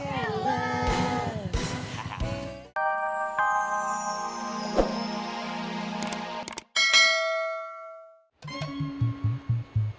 pekan raya jakarta